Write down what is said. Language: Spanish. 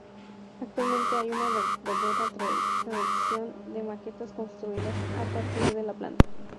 Actualmente hay una verdadera tradición de maquetas construidas a partir de la Planta.